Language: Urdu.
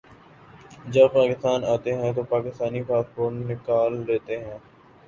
جب پاکستان آتے ہیں تو پاکستانی پاسپورٹ نکال لیتے ہیں